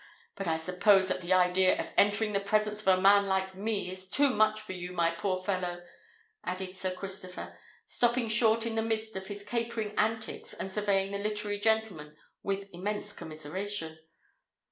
But I suppose that the idea of entering the presence of a man like me is too much for you, my poor fellow," added Sir Christopher, stopping short in the midst of his capering antics, and surveying the literary gentleman with immense commiseration.